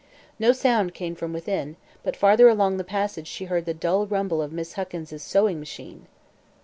No sound came from within, but farther along the passage she heard the dull rumble of Miss Huckins' sewing machine.